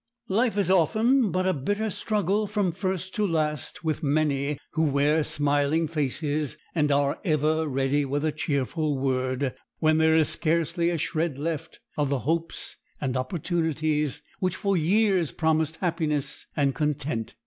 Life is often but a bitter struggle from first to last with many who wear smiling faces and are ever ready with a cheerful word, when there is scarcely a shred left of the hopes and opportunities which for years promised happiness and content.